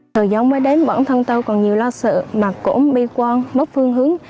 từ dòng mới đến bản thân tôi còn nhiều lo sợ mặc cỗm bi quan mất phương hướng